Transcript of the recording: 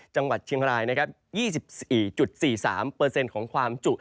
จังหวัดเชียงราย๒๔๔๓ของความจุ